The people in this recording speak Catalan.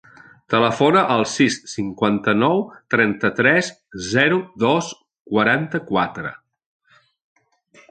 Telefona al sis, cinquanta-nou, trenta-tres, zero, dos, quaranta-quatre.